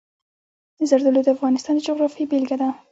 زردالو د افغانستان د جغرافیې بېلګه ده.